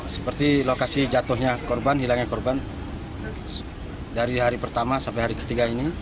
seperti lokasi jatuhnya korban hilangnya korban dari hari pertama sampai hari ketiga ini